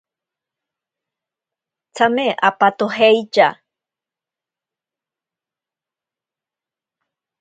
Tsame apatojeitya.